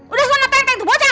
udah sana tenteng tuh bocah